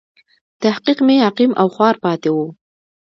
تحقیق مې عقیم او خوار پاتې و.